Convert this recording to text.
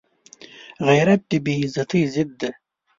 غیرت د بې عزتۍ ضد دی